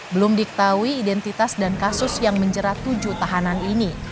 belum diketahui identitas dan kasus yang menjerat tujuh tahanan ini